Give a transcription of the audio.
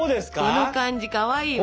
その感じかわいいわ。